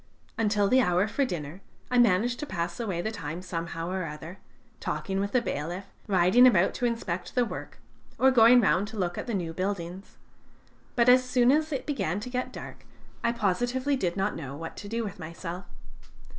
Until the hour for dinner I managed to pass away the time somehow or other, talking with the bailiff, riding about to inspect the work, or going round to look at the new buildings; but as soon as it began to get dark, I positively did not know what to do with myself.